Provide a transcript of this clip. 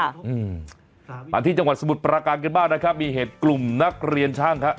อืมมาที่จังหวัดสมุทรปราการเกิดบ้านนะคะมีเหตุกลุ่มนักเรียนช่างค่ะ